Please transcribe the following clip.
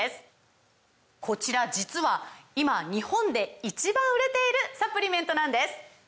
こちら実は今日本で１番売れているサプリメントなんです！